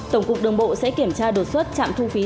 tổng cục đường bộ sẽ kiểm tra đột xuất chạm thu phí dầu dây